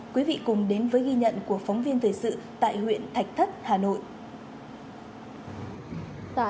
quý vị cùng đến với ghi nhận của phóng viên thời sự tại huyện thạch thất hà nội